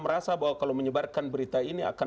merasa bahwa kalau menyebarkan berita ini akan